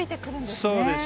そうですよ。